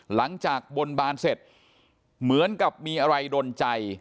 หลังจากบนบานเสร็จเหมือนกับมีอะไรดนใจ